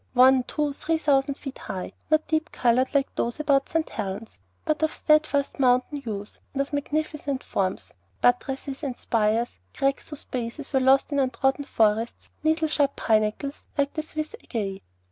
one, two, three thousand feet high; not deep colored like those about St. Helen's, but of steadfast mountain hues and of magnificent forms, buttresses and spires; crags whose bases were lost in untrodden forests; needle sharp pinnacles like the Swiss Aiguilles.